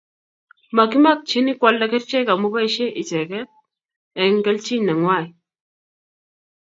Makimakchini koalda kerichek amu poishe ichek eng' kelchin nengwai